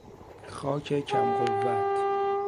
خاک کم قوت